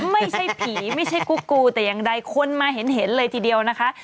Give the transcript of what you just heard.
ไม่ใช่ผีไม่ใช่กุ๊กกูแต่อย่างใดคนมาเห็นเลยทีเดียวนะคะ